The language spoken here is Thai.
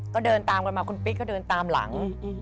ก็เดินตามกันมาคุณปิ๊กก็เดินตามหลัง